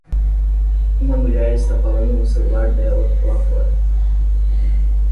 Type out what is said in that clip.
Uma mulher está falando no celular dela lá fora